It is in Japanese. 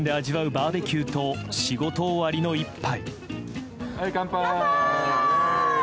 バーベキューと仕事終わりの１杯。